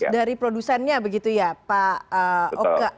dari produsennya begitu ya pak oke